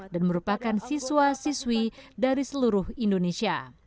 dan merupakan siswa siswi dari seluruh indonesia